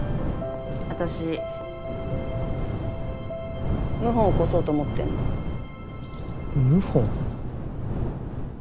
私謀反起こそうと思ってんの謀反？